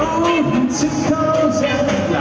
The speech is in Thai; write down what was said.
อู้วให้ฉันเข้าจัด